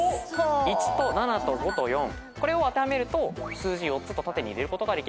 １と７と５と４これを当てはめると「すうじ４つ」と縦に入れることができます。